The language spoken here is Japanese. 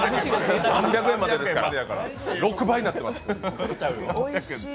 ３００円までですから、６倍になっています。